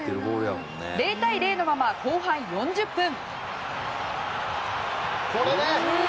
０対０のまま、後半４０分。